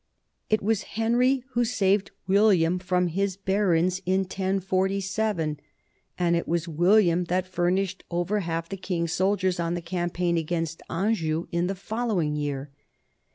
It was Henry who saved William from his barons in 1047, and it was William that furnished over half the king's sol diers on the campaign against Anjou in the following year.